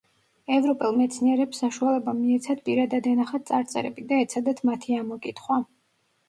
ევროპელ მეცნიერებს საშუალება მიეცათ პირადად ენახათ წარწერები და ეცადათ მათი ამოკითხვა.